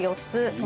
４つ？